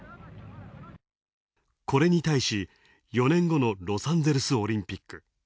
これに対し、４年後のロサンゼルスオリンピック。